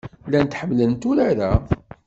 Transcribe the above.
Llant ḥemmlent urar-a.